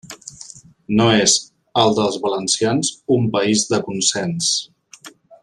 No és, el dels valencians, un país de consens.